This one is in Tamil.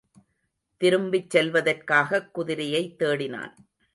திரும்பிச் செல்வதற்காகக் குதிரையைத் தேடினான்.